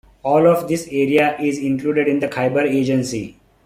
All of this area is included in the Khyber Agency.